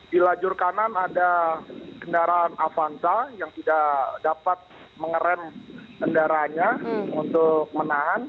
di lajur kanan ada kendaraan avanza yang tidak dapat mengerem kendaraannya untuk menahan